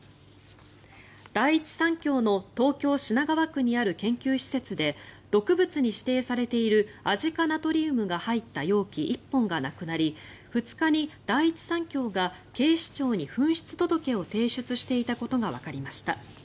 第一三共の東京・品川区にある研究施設で毒物に指定されているアジ化ナトリウムが入った容器１本がなくなり２日に第一三共が警視庁に紛失届を提出していたことがわかりました。